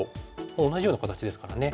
同じような形ですからね。